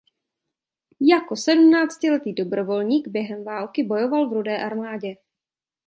Jako sedmnáctiletý dobrovolník během války bojoval v Rudé armádě.